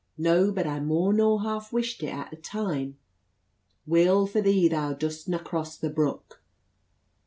No but I more nor half wished it a' the time." "Weel for thee thou dudstna cross the brook."